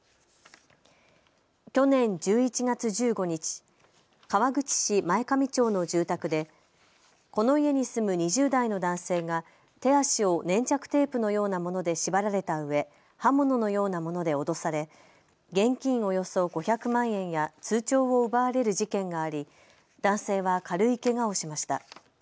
去年１１月１５日、川口市前上町の住宅でこの家に住む２０代の男性が手足を粘着テープのようなもので縛られたうえ刃物のようなもので脅され現金およそ５００万円や通帳を奪われる事件があり男性は軽いけがをしました。